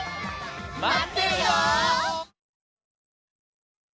まってるよ！